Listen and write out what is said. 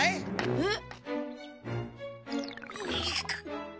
えっ？